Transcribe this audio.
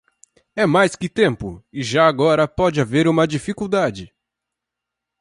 É mais que tempo, e já agora pode haver uma dificuldade.